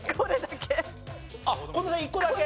あっ紺野さん１個だけ？